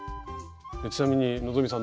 ちなみに希さん